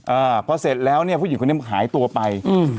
อ่าพอเสร็จแล้วเนี้ยผู้หญิงคนนี้หายตัวไปอืม